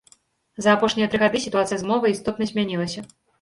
За апошнія тры гады сітуацыя з мовай істотна змянілася.